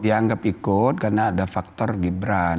dianggap ikut karena ada faktor gibran